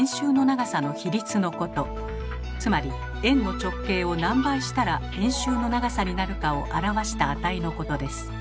つまり円の直径を何倍したら円周の長さになるかを表した値のことです。